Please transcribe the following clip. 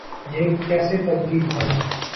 یہ کیسے تبدیل ہوں۔